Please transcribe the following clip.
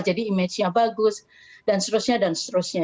jadi image nya bagus dan seterusnya dan seterusnya